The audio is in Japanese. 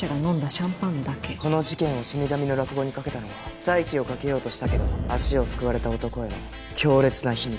この事件を『死神』の落語にかけたのは再起をかけようとしたけど足をすくわれた男への強烈な皮肉。